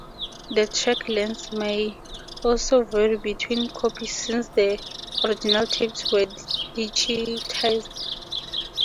The track lengths may also vary between copies since the original tapes were digitized.